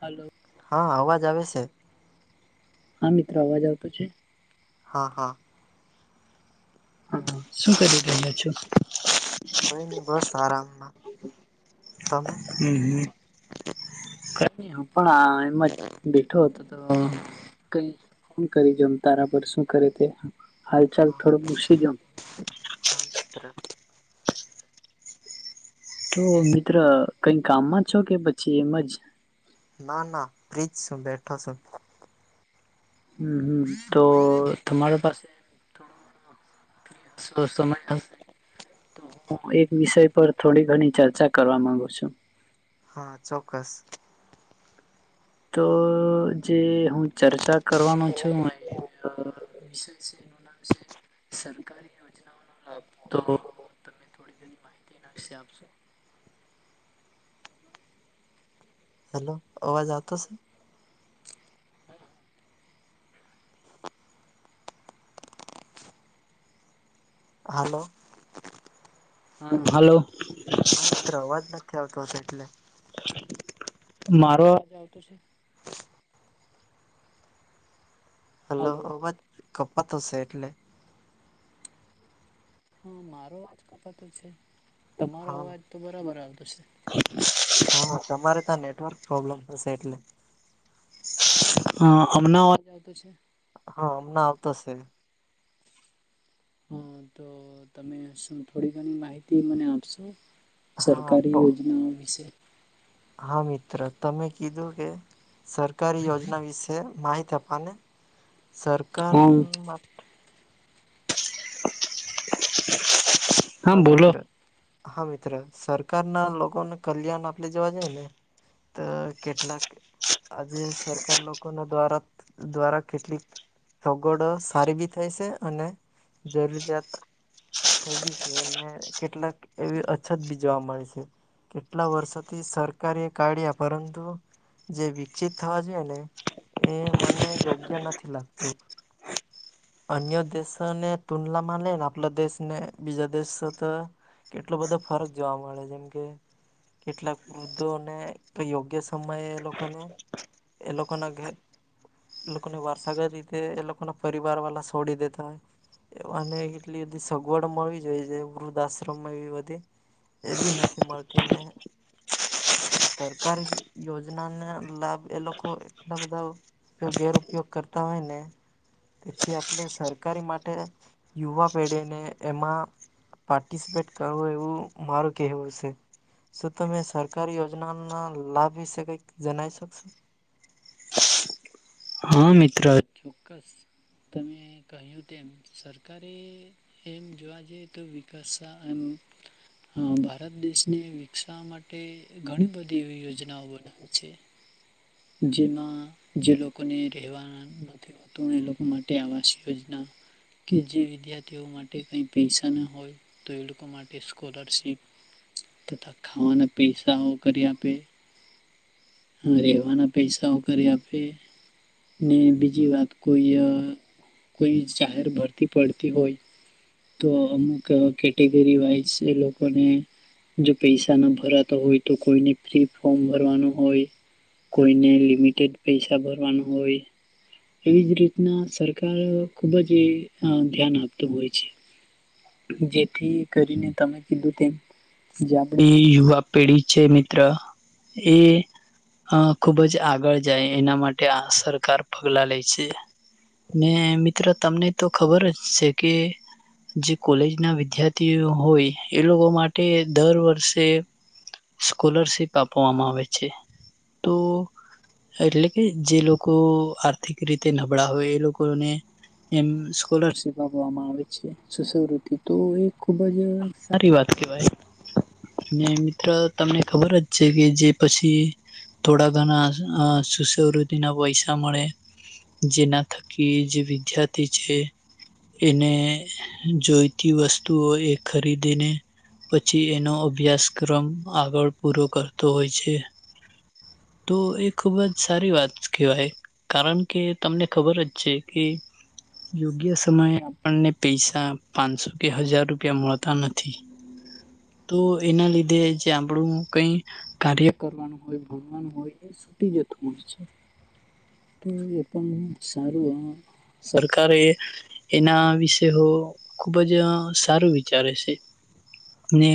Hello. હા અવાજ આવે છે. હા મિત્રો અવાજ આવતો છે. હા હા. હા શું કરી રહ્યા છો? કઈ નહી બસ આરામમાં, તમે? હમ ન હું પણ આ એમ જ બેઠો હતો. તો કઈન કરી જોમ તારા પર શું કરે તે. હાલચાલ હા થોડો પૂસી જોમ. હા મિત્ર. તો મિત્ર કઈ કામમાં છો કે પછી એમ જ. ના ના બફ્રીજ શું બેઠો છું. હમ હમ તો તમારે પાસે ત હસો સ હ [unintelligible] હું એક વિષય પર થોડી ઘણી ચર્ચા કરવા માંગુ છું. હા ચોક્કસ. તો જે હું ચર્ચા કરવાનો છું. અ વિષય છે એનું નામ છે સરકારી યોજના. તો તમને થોડી બધ માહિતી નાખશે આપશો? [unintelligible] હેલો આવાજ આવતો સે? હાલો. હાલો. હા મિત્ર અવાજ નથી આવતો હતો એટલે. મારો અવાજ આવતો છે? હલો અબજ કપા થ હશે એટલે. હા મારો અવાજ ખપતો છે તમારો હા અવાજ તો બરાબર આવતો છે. હા તમારે ત્યાં નેટવર્ક પ્રોબ્લેમ હશે એટલે. હા અમણા અવાજ આવતો છે? હા અમને આવતો છે. હા તો તમે શું થોડી ઘણી માહિતી મને આપશો? હા સરકારી તો યોજનાઓ વિશે. હા મિત્ર તમે કીધું કે સરકારી યોજના વિશે માહિતી આપવાને સરકાર હા માટે [inaudible] હા મિત્ર, હા મિત્ર સરકાર ના લોકોને કલ્યાણ આપણે જવા જાય ને. તો કેટલાક. આજે સરકાર લોકો ના દ્વારા દ્વારા કેટલીક સગડો સારી બી થાય છે અને જરૂરિયાત થઈ બી. એને કેટલાક એવી અછત બી જોવા મળેશે. કેટલા વર્ષોથી સરકારે કાઢ્યા પરંતુ. જે વિકસિત થવા જોઈએ ને એ મને યોગ્ય નથી લાગતું. અન્ય દેશ ને તુડલા માલેને આપલા દેશને બીજા દેશ તો. કેટલો બધો ફરક જોવા મળે જેમ કે કેટલાક વૃદ્ધોને યોગ્ય સમયે એ લોકોને. એ લોકોના ઘ એ લોકોની વાર્ષાગત રીતે એ લોકોના પર ર વાલા છોડી દેતા હોય. અને એટલી બધી સગવડ મળવી જોઈએ છે વૃદ્ધાશ્રમમાં એવી બધી એ બી નથી મળતી ને. સરકારી યોજના ના લાભ એ લોકો એટલા બધા તો ગૈર ઉપયોગ કરતા હોય ને. તેથી આપણે સરકારી માટે યુવા પેઢીને એમા પાર્ટિસિપેટ કરવું એવું મારું કેહેવું સે. શું તમે સરકારી યોજનાના લાભ વિશે કંઈક જણાઈ શકશો. હા મિત્ર. ચોક્કસ. તમે કહ્યું તેમ. સરકારે એમ જોવા જઈ તો વિકાસ એમ. હ ભારત દેશને વિકસાવવા માટે ઘણી બધી એવી યોજનાઓ બની. જેમાં જે લોકોને રહેવાના નથી. તો એ લોકો માટે આવાસ યોજના કે જે વિદ્યાર્થીઓ માટે કઈ પૈસા ના હોય તો એ લોકો માટે સ્કોલરશીપ તથા ખાવાના પૈસાઓ કરી આપે હ રહેેવાના પૈસાઓ કરી આપે ને બીજી વાત કોઈ અ. કોઈ જાહેર ભરતી પડતી હોય. તો અમુક કેટેગરી વાઈઝ એ લોકોને જો પૈસા ના ભરાતા હોય તો કોઈને ફ્રી ફોર્મ ભરવાનું હોય. કોઈને લિમિટેડ પૈસા ભરવાનું હોય. એવી જ રીતના સરકાર ખુબ જ એ અ ધ્યાન આપતું હોય છે. જેથી કરીને તમે કીધું તેમ. જે આપડી યુવા પેઢી છે મિત્ર એ. અ ખુબ જ આગળ જાય એના માટે આ સરકાર પગલા લે છે. ને મિત્ર તમને તો ખબર જ છે કે. જે કોલેજના વિદ્યાર્થીઓ હોય એ લોકો માટે દર વર્ષે સ્કોલરશિપ આપવામાં આવે છે તો. એટલે કે જે લોકો આર્થિક રીતે નબળા હોય એ લોકોને એમ સ્કોલરશીપ આપવામાં આવે છે. સવૃતિ તો એ ખુબ જ સારી વાત કહેવાય. ને મિત્ર તમને ખબર જ છે કે જે પછી થોડા ઘણા અ સુસવૃદ્ધિના પૈસા મળે. જેના થકી જે વિદ્યાર્થી છે એને જોઈતી વસ્તુઓ એ ખરીદીને પછી એનો અભ્યાસક્રમ આગળ પૂરો કરતો હોય છે. તો એ ખૂબ જ સારી વાત કહેવાય. કારણ કે તમને ખબર જ છે કે યોગ્ય સમય આપણને પૈસા પાંચસો કે હજાર રૂપિયા મળતા નથી. તો એના લીધે જે આપડું કઈ કાર્ય કરવાનું હોય ભણવાનું હોય એ સુ જતું હોય છે ટું એ પણન સારો આ. સરકારે એના વિષે હો. ખૂબ જ સારું વિચારે છે. ને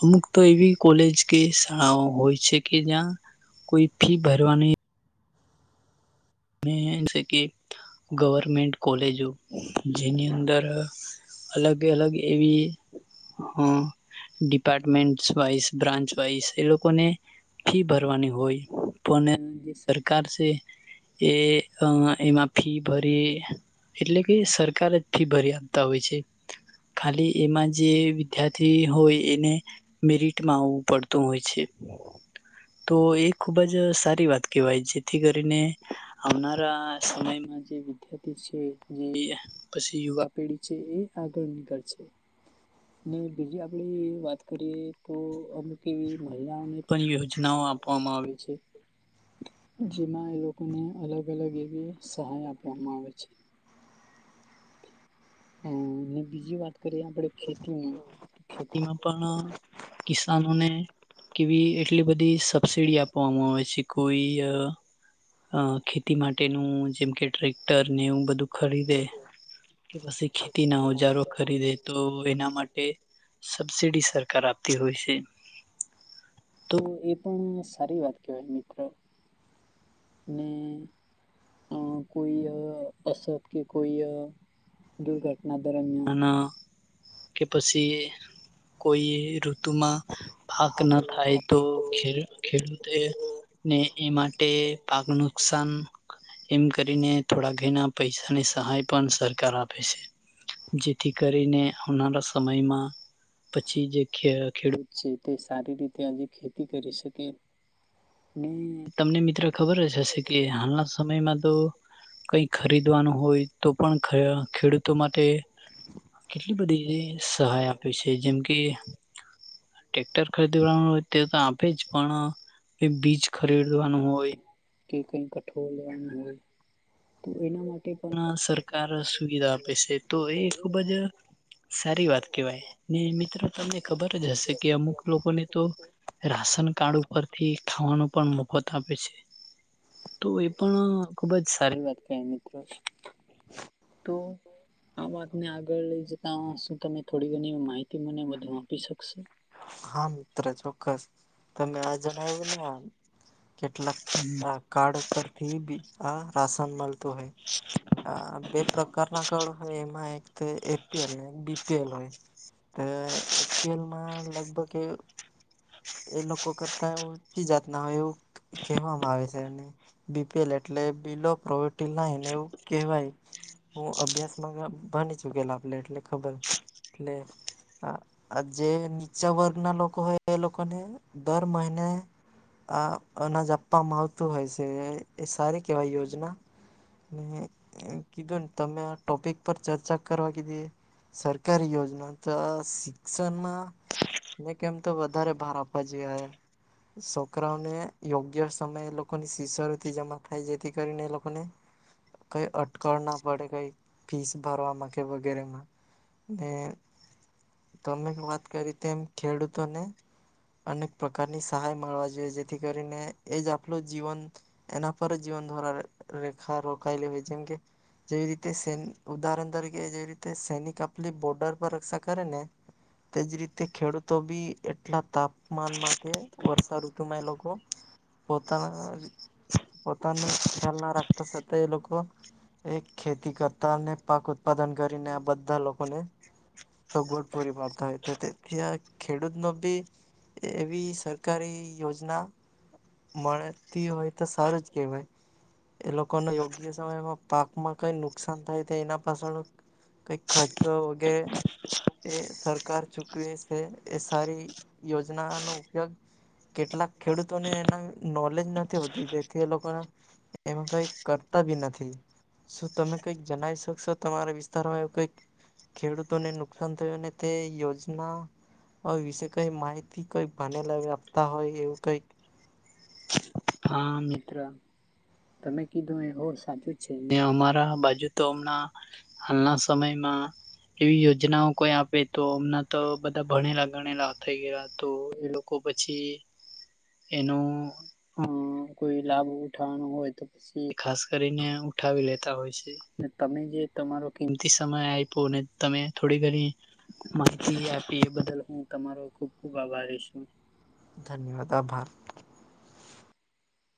અમુક તો એવી કોલેજ કે શાળાઓ હોય છે કે જ્યાં કોઈ ફી ભરવાની ને જે કે ગવર્મેન્ટ કોલેજો જેની અંદર અલગ અલગ એવી હા. ડિપાર્ટમન્ટસ વાઇસ બ્રાન્ચ વાઇસ એ લોકોકને ફી ભરવાની હોય પણ જે સરકાર છે. એ એમાં ફી ભરી એટલે કે સરકાર જથી ભરી આપતા હોય છે. ખાલી એમાં જે વિદ્યાર્થી હોય એને મેરિટમાં આવવું પડતું હોય છે. તો એ ખુબ જ સારી વાત કહેવાય જેથી કરીને આવનારા સમયમાં જે વિદ્યાર્થી છે જે પછી યુવા પેઢી છે એ આગળ નીકળ છે. ને બીજી આપડી વાત કરીએ તો અમુક એવી મહિલાઓને સચનાઓ આપવામાં આવે છે જેમાં એ લોકો ને અલગ અલગ એવી સહાય આપવામાં આવે છે. હ અને બીજી વાત કરીએ આપણે ખેતીમાં ખેતીમાં પણ કિસાનોને કે બી એટલી બધી સબસિડી આપવામાં આવે છે કોઈ અ ખેતી માટેનું જેમ કે ટ્રેક્ટર ને એવું બધું ખરીદે કે પછી ખેતી ના ઉજારો ખરીદે તો એના માટે સબસિડી સરકાર આપતી હોય છે. તો એ પણ સારી વાત કેહેવાય મિત્ર. ને અ કોઈ અ અસ કે કોઈ અ દુર્ઘટના દરમિયાન કે પછી કોઈ ઋતુમાં પાક ના થાય તો ખ ખેડૂતે ને એ માટે પાક નુક્સાન એમ કરીને થોડા ઘના પૈસાની સહાય પણ સરકાર આપે છે. જેતી કરીને આવનારા સમયમાં પછી જે ખેડૂત છે તે સારી રીતે આજ ખેતી કરી શકે. તમને મિત્ર ખબર હ હશે કે હાલના સમયમાં તો કંઈ ખરીદવાનું હોય તો પણ ખેડૂતો માટે કેટલી બધી સહાય આપી છે જેમ કે ટટેક્ટર ખરીદી વાળનું હોય તે તો આપે જ પણ એ બીજ ખરીદવાનું હોય. કે કઈ કઠોળ લેવાનું હોય તો એના માટે પણ સરકાર સુવિધા આપ પછ તો એ ખુબ જ સારી વાત કેવાય ને મિત્રો તમને ખબર જ હશે કે અમુક લોકોને તો રાશન કાર્ડ ઉપરથી ખાવાનું પણ મફત આપે છે. તો એ પણ ખુબ જ સારી વાત ક મિત્રો તો આ વાતને આગળ લઈ જતા શું તમે થોડી ઘણી માહિતી મને બુ આપી શકશો? હા મિત્ર ચોક્કસ તમે આ જણાવ્યું ને કેટલાક કાર્ડ પરથી બી આ રાશન મળ બે પ્રકારના કળ હોય એમાં એક એપીએલ બી એલ હોય એપીએલમાં લગભગ એ લોકો કરતા ઓછી જાત ના હોય એવું કહેવામાં આવે છે એમને બી પી એલ એટલે બિલો પ્રોવટી લને એવું કહેવાય. હું અભ્યાસ માં ભની ચુકેલા આપ એટલે ખબર એટ આ જે નીચા વર્ગ ના લોકોક હોય એ એ લોકો ને દર મહિને. આ અનાજ આપવામાં આવતું હોય છે એ સારી કેવાય યોજના. ને કીધું તમે આ ટોપિક પર ચર્ચા કરવા કીધી. સરકારી યોજના તો આ શિક્ષણમાં, ને કેમ તો વધારે ભાર આપવા જોઈએ. છોકરાઓને યોગ્ય સમયે એ લોકોની શિસ ઋતિ જમા થાય જેથી કરીને એ લોકોને કઈ અટકળ ના પડે કઈ ફીસ ભરવાવામાં કે વગેરે માં. તમે વાત કરી તેમ ખેડૂતોને અનેક પ્રકારની સહાય મળવા જોઈએ જેથી કરીને એજ આપલું જીવન એના પર જીવન ધરા રેખા રોકાયેલી હોય જેમ કે જેવી રીતે સ ઉદાહરણ તરીકે જેવી રીતે સૈનિક આપલી બોર્ડર પર રક્ષા કરે ને. તેજ રીતે ખેડૂતો બી એટલા તાપમાનમાં કે વર્ષા ઋતુ માં એ લોકો, પોતાના પોતાનું ખ્યાલ ના રાખતા સાથેતા એ લોકો એક ખેતી કરતા અને પાક ઉત્પાદન કરીને આ બધા લોકોને સગોટ પૂરી પાડતા હોય તો ત્યાં ખેડૂતનો એવી સરકારી યોજના મળતી હોય તો સર જ કેહેવાય, એ લોકોને યોગ્ય સમયમાં પાકમાં કઈ નુકસાન થાય તો એના પાછ કઈ ખર્ચો વગેરે એ સરકાર ચૂકવે છે એ સારી યોજના નો ઉપયોગ કેટલાક ખેડૂતોને એના નોલેજ નથી હોતી તેથી એ લોકોને. એમાં કઈ કરતા બી નથી. શું તમે કઈક જણાવ શકશો તમારા વિસ્તારમાં એવું કઈક ખેડૂતોને નુકસાન થયું અને તે યોજના, વિશે કઈ માહિતી કઈ બનેલા આપતા હોય એવું કઈક હા મિત્ર. તમે કીધું એ બ સાચું છે અમારા બાજુ તો હમણાં. હાલના સમમયમાં એવી યોજનાઓ કોઈ આપે તો અમના તો બધા ભણેલા ગણેલા થઈ ગયા તો એ લોકો પછી, એનો અ કોઈ લાભ ઉઠાવાનો હોય તો ખાસ કરીને ઉઠાવી લેતા હોય છે. તમે જે તમારો કિંમતી સમય આપ્યો ને તમે થોડી ઘણી માહિતી આપી એ બદલ હું તમારો ખુબ ખુબ આભારી છું. ધન્યવાદ આભાર.